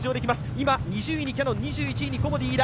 今、２０位にキヤノン、２１位にコモディイイダ